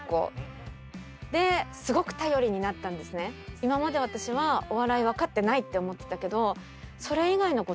今まで私はお笑い分かってないって思ってたけど。